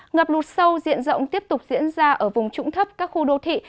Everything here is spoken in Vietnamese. ngập lụt sâu diện rộng tiếp tục diễn ra ở vùng trũng thấp các khu đô thị